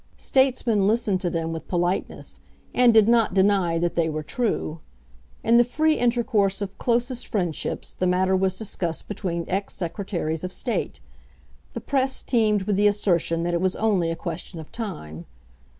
Statesmen listened to them with politeness, and did not deny that they were true. In the free intercourse of closest friendships the matter was discussed between ex Secretaries of State. The Press teemed with the assertion that it was only a question of time.